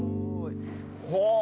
はあ。